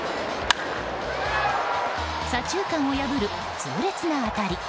左中間を破る痛烈な当たり。